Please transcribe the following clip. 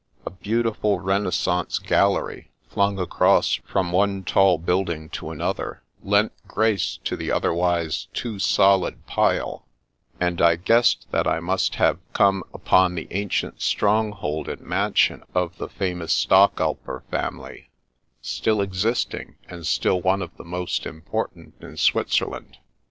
A beautiful Renaissance gallery, flung across from one tall building to another, lent grace to the otherwise too solid pile, and I guessed 84 The Princess Passes that I must have come upon the ancient stronghold and mansion of the famous Stockalper family, still existing and still one of the most important in Switzerland.